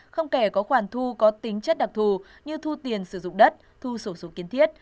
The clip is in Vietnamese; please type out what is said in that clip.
không kể có khoản thu có tính chất đặc thù như thu tiền sử dụng đất thu sổ số kiến thiết